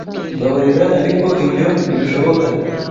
Mbabarira, ariko ibyo ntibishoboka.